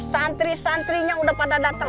santri santrinya udah pada datang